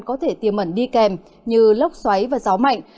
có thể tiềm mẩn đi kèm như lốc xoáy và gió mạnh